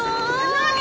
何！？